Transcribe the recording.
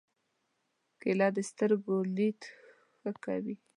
کېله د سترګو لید ښه کوي.